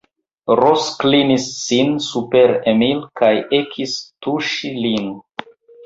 Ros klinis sin super Emil kaj ekis tuŝi lin.